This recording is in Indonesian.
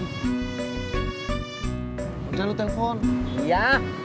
jalan telepon iya